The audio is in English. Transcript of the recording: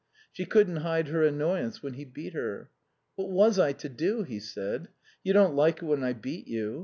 She couldn't hide her annoyance when he beat her. "What was I to do?" he said. "You don't like it when I beat you.